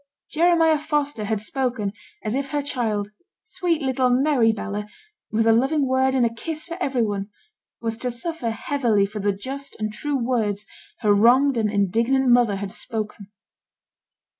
Jeremiah Foster had spoken as if her child, sweet little merry Bella, with a loving word and a kiss for every one, was to suffer heavily for the just and true words her wronged and indignant mother had spoken.